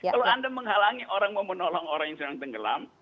kalau anda menghalangi orang mau menolong orang yang sedang tenggelam